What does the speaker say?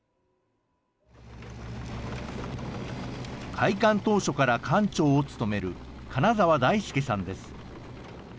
開館当初から館長を務める金澤大介さんです。